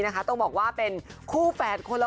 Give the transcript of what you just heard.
ก็ไม่ออกเลย